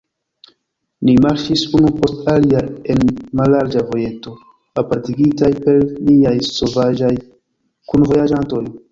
Ni marŝis unu post alia en mallarĝa vojeto, apartigitaj per niaj sovaĝaj kunvojaĝantoj.